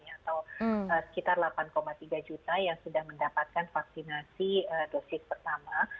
atau sekitar delapan tiga juta yang sudah mendapatkan vaksinasi dosis pertama